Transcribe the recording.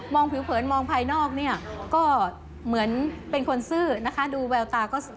มองผิวเผินมองภายนอกก็เหมือนเป็นคนซื่อนะคะ